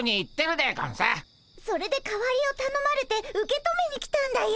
それで代わりをたのまれて受け止めに来たんだよ。